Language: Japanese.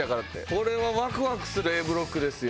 これはワクワクするＡブロックですよ。